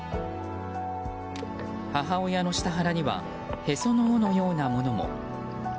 母親の下腹にはへその緒のようなものも。